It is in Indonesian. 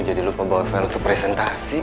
jadi lupa bawa file untuk presentasi